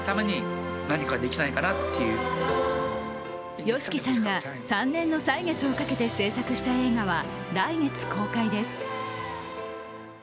ＹＯＳＨＩＫＩさんが３年の歳月をかけて制作した映画は来月公開です。